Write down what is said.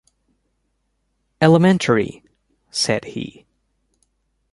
'Elementary,' said he.